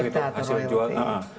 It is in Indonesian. lebih ke hak cipta atau ilmu